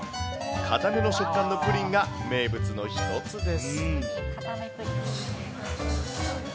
固めの食感のプリンが名物の一つです。